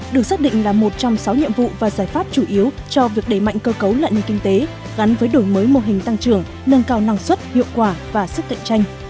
được xác định là một trong sáu nhiệm vụ và giải pháp chủ yếu cho việc đẩy mạnh cơ cấu lại nền kinh tế gắn với đổi mới mô hình tăng trưởng nâng cao năng suất hiệu quả và sức cạnh tranh